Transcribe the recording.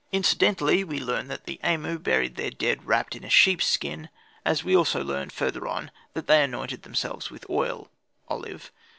Incidentally we learn that the Amu buried their dead wrapped in a sheep's skin; as we also learn, further on, that they anointed themselves with oil (olive?)